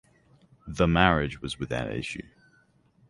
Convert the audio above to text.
The marriage was without issue.